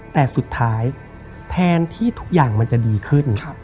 แต่สุดท้ายแทนที่ทุกอย่างมันจะดีขึ้น